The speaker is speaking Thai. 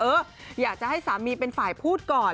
อยากจะให้สามีเป็นฝ่ายพูดก่อน